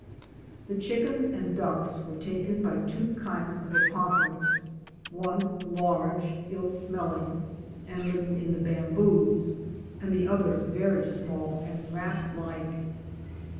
The chickens and ducks were taken by two kinds of opos sums, one, large, ill smelling and living in the bamboos, and the other very small and rat like.